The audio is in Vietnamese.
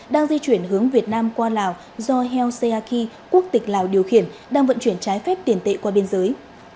đang di chuyển hướng việt nam qua lào do heo seaki quốc tịch lào điều khiển đang vận chuyển trái phép tiền tệ qua biên giới